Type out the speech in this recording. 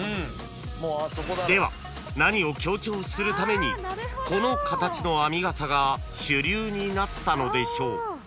では何を強調するためにこの形の編みがさが主流になったのでしょう？］